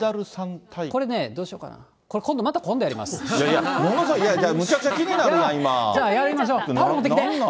これね、どうしようかな、こいやいや、むちゃくちゃ気にじゃあ、やりましょう。